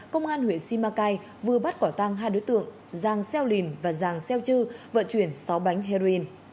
công an huyện simacai vừa bắt quả tăng hai đối tượng giàng xeo lìn và giàng xeo chư vận chuyển sáu bánh heroin